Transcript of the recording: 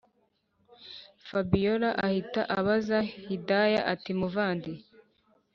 fabiora ahita abaza hidaya ati”muvandi